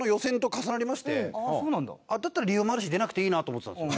だったら理由もあるし出なくていいなと思ってたんです。